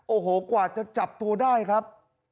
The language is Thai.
โอ้โหกว่าจะจับตัวได้ครับ